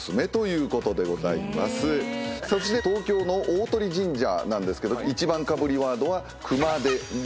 そして東京の鷲神社なんですけど１番かぶりワードは。